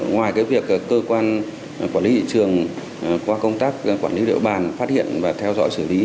ngoài việc cơ quan quản lý thị trường qua công tác quản lý địa bàn phát hiện và theo dõi xử lý